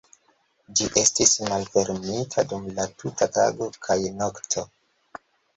Ĝi estis malfermita dum la tuta tago kaj nokto.